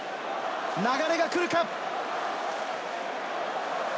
流れが来るか？